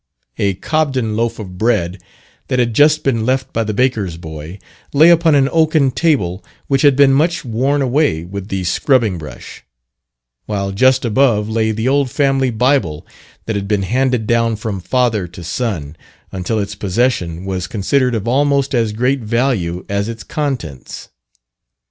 A Cobden loaf of bread, that had just been left by the baker's boy, lay upon an oaken table which had been much worn away with the scrubbing brush; while just above lay the old family bible that had been handed down from father to son, until its possession was considered of almost as great value as its contents.